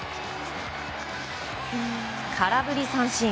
空振り三振。